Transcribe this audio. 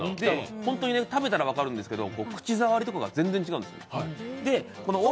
食べたら分かるんですけど口触りが全然違うんです。